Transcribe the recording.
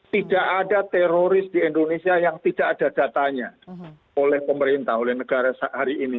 tidak ada teroris di indonesia yang tidak ada datanya oleh pemerintah oleh negara hari ini